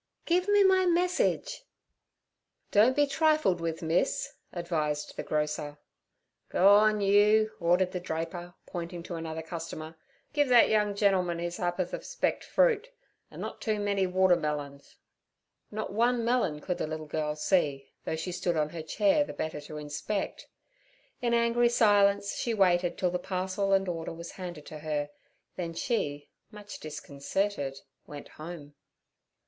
'Give me my message.' 'Don't be trifled with, miss' advised the grocer. 'Go on you' ordered the draper, pointing to another customer. 'Give that young gentleman his ha'porth of specked fruit, an' not too many water melons.' Not one melon could the little girl see, though she stood on her chair the better to inspect. In angry silence she waited till the parcel and order was handed to her, then she, much disconcerted, went home.